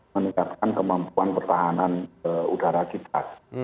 mengingatkan kemampuan pertahanan udara kita